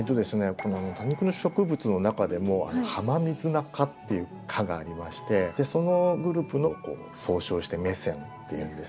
この多肉植物の中でもハマミズナ科っていう科がありましてそのグループを総称してメセンっていうんですね。